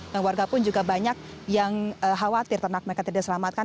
dan warga pun juga banyak yang khawatir ternak mereka tidak diselamatkan